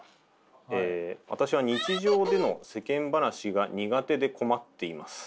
私は日常での世間話が苦手で困っています。